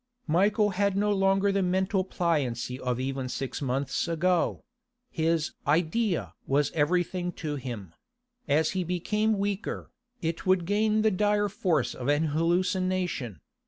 Michael had no longer the mental pliancy of even six months ago; his idea was everything to him; as he became weaker, it would gain the dire force of an hallucination.